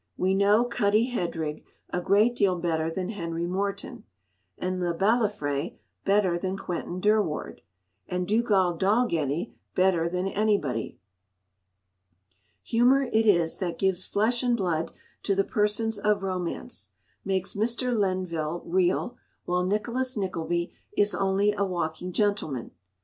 We know Cuddie Headrigg a great deal better than Henry Morton, and Le Balafré better than Quentin Durward, and Dugald Dalgetty better than anybody. Humour it is that gives flesh and blood to the persons of romance; makes Mr. Lenville real, while Nicholas Nickleby is only a "walking gentleman."